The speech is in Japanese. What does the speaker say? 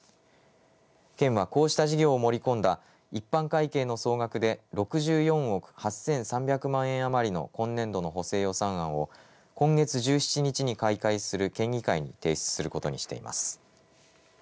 県は、こうした事業を盛り込んだ一般会計の総額で６４億８３００万円余りの今年度の補正予算案を今月１７日に開会する県議会に提出することにしています。